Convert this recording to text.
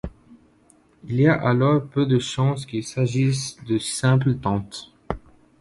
Il y a alors peu de chance qu'il s'agisse de simples tentes.